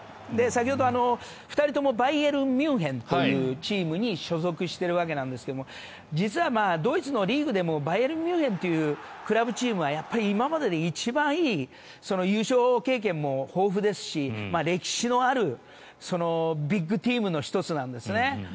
先ほど、２人ともバイエルン・ミュンヘンというチームに所属しているわけなんですが実はドイツのリーグでもバイエルン・ミュンヘンというクラブチームは今までで一番いい優勝経験も豊富ですし歴史のあるビッグチームの１つなんですね。